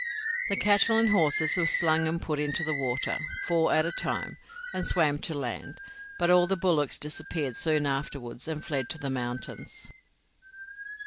The cattle and horses were slung and put into the water, four at a time, and swam to land, but all the bullocks disappeared soon afterwards and fled to the mountains.